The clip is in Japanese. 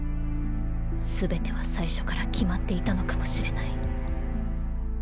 すべては最初から決まっていたのかもしれない。